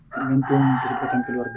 tergantung kesepakatan keluarga